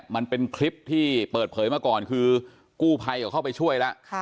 มันเป็นคลิปที่เปิดเผยมาก่อนคือกู้ภัยเขาเข้าไปช่วยแล้ว